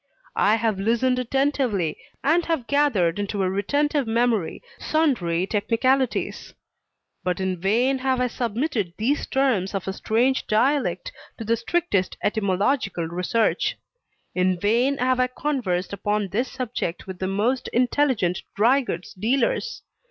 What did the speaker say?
I have listened attentively, and have gathered into a retentive memory sundry technicalities; but in vain have I submitted these terms of a strange dialect to the strictest etymological research. In vain have I conversed upon this subject with the most intelligent dry goods dealers.